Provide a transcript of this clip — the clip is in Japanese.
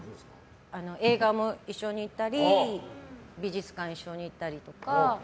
映画も一緒に行ったり美術館、一緒に行ったりとか。